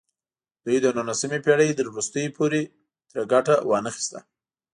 دوی د نولسمې پېړۍ تر وروستیو پورې ترې ګټه وانخیسته.